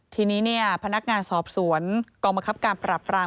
ทีนี้เนี่ยพนักงานสอบสวนกรมกรับการปรับราม